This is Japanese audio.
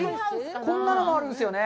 こんなのもあるんですよね。